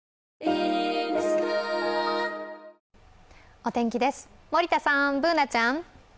お天気です、森田さん、Ｂｏｏｎａちゃん。